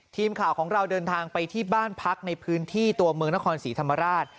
ทีมข่าวของเราเดินทางไปที่บ้านพักในพื้นที่ตัวเมืองนครศรีธรรมราช